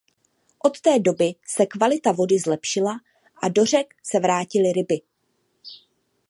Od té doby se kvalita vody zlepšila a do řeky se vrátily ryby.